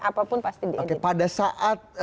apapun pasti dipakai pada saat